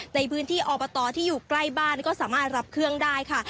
ในพื้นที่อบตที่อยู่ใกล้บ้านก็สามารถรับเครื่องได้ค่ะ